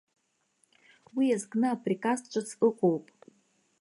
Уи иазкны априказ ҿыц ыҟоуп.